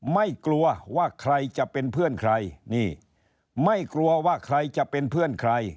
ไม่กลัวว่าใครจะเป็นเพื่อนใครนี่ไม่กลัวว่าใครจะเป็นเพื่อนใคร